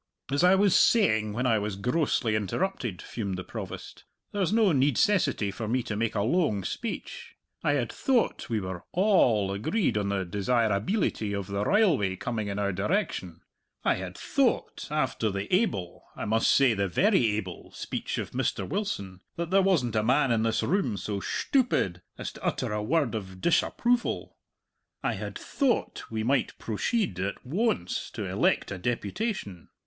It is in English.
"As I was saying when I was grossly interrupted," fumed the Provost, "there's no needcessity for me to make a loang speech. I had thoat we were a all agreed on the desirabeelity of the rileway coming in our direction. I had thoat, after the able I must say the very able speech of Mr. Wilson, that there wasn't a man in this room so shtupid as to utter a word of dishapproval. I had thoat we might prosheed at woance to elect a deputation.